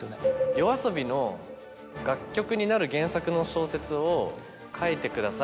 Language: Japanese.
「ＹＯＡＳＯＢＩの楽曲になる原作の小説を書いてください。